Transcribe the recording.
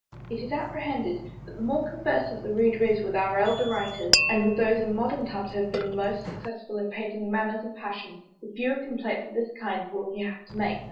It is apprehended, that the more conversant the reader is with our elder writers, and with those in modern times who have been the most successful in painting manners and passions, the fewer complaints of this kind will he have to make.